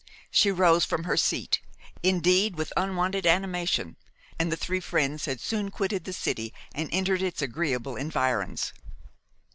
She rose from her seat, indeed, with unwonted animation, and the three friends had soon quitted the city and entered its agreeable environs.